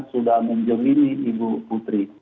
sudah menjemini ibu putri